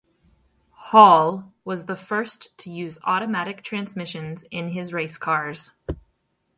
Hall was the first to use automatic transmissions in his race cars.